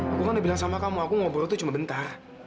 aku kan udah bilang sama kamu aku ngobrol tuh cuma bentah